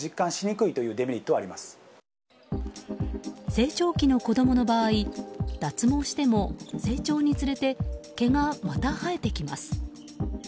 成長期の子供の場合脱毛しても成長につれて毛がまた生えてきます。